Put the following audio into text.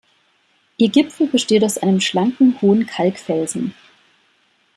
Ihr Gipfel besteht aus einem schlanken, hohen Kalkfelsen.